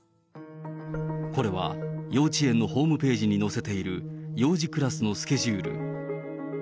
これは幼稚園のホームページに載せている、幼児クラスのスケジュール。